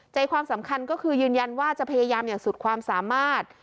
ใจความสำคัญก็คือยืนยันว่าจะพยายามอย่างสุดความสามารถ